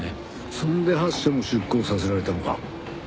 そんで８社も出向させられたのか。